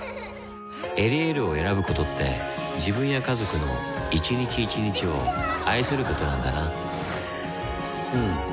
「エリエール」を選ぶことって自分や家族の一日一日を愛することなんだなうん。